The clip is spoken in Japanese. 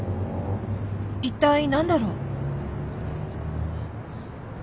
一体何だろう？